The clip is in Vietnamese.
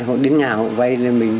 họ đến nhà họ vay